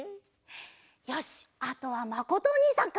よしあとはまことおにいさんか。